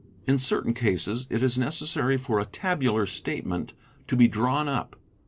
In certain cases it is necessary for a tabular statement to be drawn up.